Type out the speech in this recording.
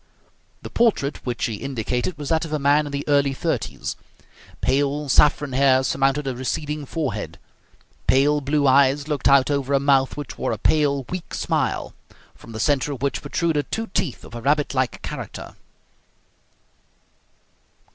The portrait which he indicated was that of a man in the early thirties. Pale saffron hair surmounted a receding forehead. Pale blue eyes looked out over a mouth which wore a pale, weak smile, from the centre of which protruded two teeth of a rabbit like character.